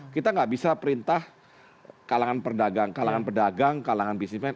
kita nggak bisa perintah kalangan perdagang kalangan pedagang kalangan bisnismen